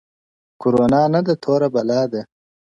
کرونا نه ده توره بلا ده-